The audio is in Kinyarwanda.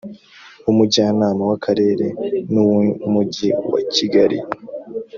w umujyanama w akarere n uw umujyi wa kigali